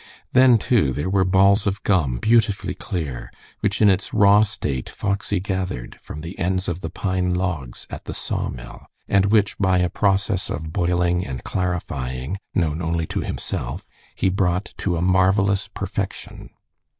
Then, too, there were balls of gum, beautifully clear, which in its raw state Foxy gathered from the ends of the pine logs at the sawmill, and which, by a process of boiling and clarifying known only to himself, he brought to a marvelous perfection.